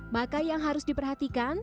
maka yang harus diperhatikan